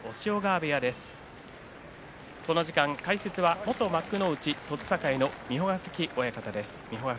この時間、解説は元幕内栃栄の三保ヶ関親方です。